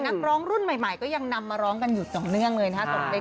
นักร้องรุ่นใหม่ก็ยังนำมาร้องกันอยู่ต่อเนื่องเลยนะครับ